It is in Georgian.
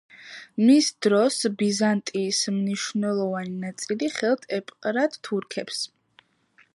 მის დროს ბიზანტიის მნიშვნელოვანი ნაწილი ხელთ ეპყრათ თურქებს.